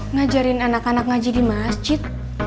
ngajarin anak anak ngaji di masjid